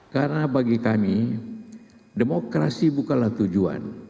karena bagi kami demokrasi bukanlah tujuan